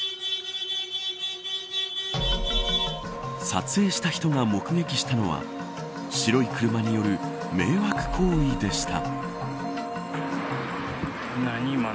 撮影した人が目撃したのは白い車による迷惑行為でした。